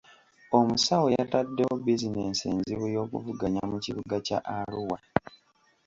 Omusawo yataddewo bizinensi enzibu y'okuvuganya mu kibuga kya Arua.